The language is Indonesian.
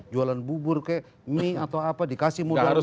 jualan bubur mie atau apa dikasih modal mereka